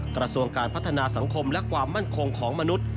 กระทรวงการพัฒนาสังคมและความมั่นคงของมนุษย์